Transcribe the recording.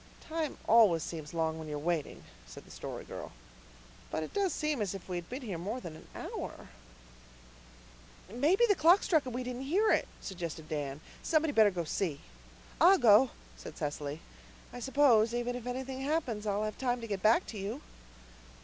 "Time always seems long when you're waiting," said the Story Girl. "But it does seem as if we had been here more than an hour." "Maybe the clock struck and we didn't hear it," suggested Dan. "Somebody'd better go and see." "I'll go," said Cecily. "I suppose, even if anything happens, I'll have time to get back to you."